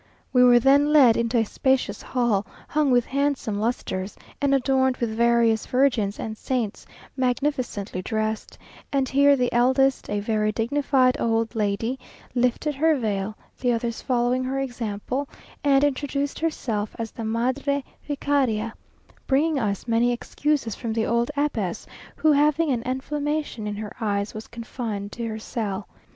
We were then led into a spacious hall, hung with handsome lustres, and adorned with various Virgins and Saints magnificently dressed; and here the eldest, a very dignified old lady, lifted her veil, the others following her example, and introduced herself as the Madre Vicaria; bringing us many excuses from the old abbess, who having an inflammation in her eyes, was confined to her cell.